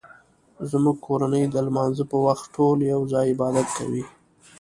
زموږ کورنۍ د لمانځه په وخت ټول یو ځای عبادت کوي